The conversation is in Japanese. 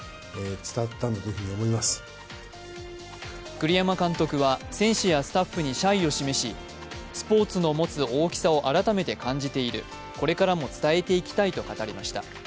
栗山監督は選手やスタッフに謝意を示しスポーツの持つ大きさを改めて感じている、これからも伝えていきたいと語りました。